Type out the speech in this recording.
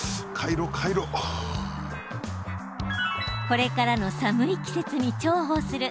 これからの寒い季節に重宝する